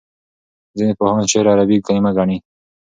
ځینې پوهان شعر عربي کلمه ګڼي.